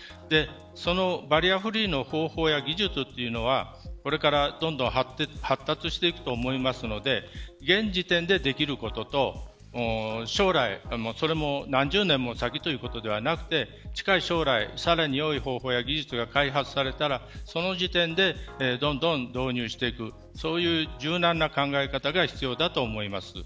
そのバリアフリーの方法や技術というのはこれからどんどん発達していくと思いますので現時点でできることと将来、それも何十年も先ということではなくて近い将来さらに良い方法や技術が開発されたらその時点でどんどん導入していくそういう柔軟な考え方が必要だと思います。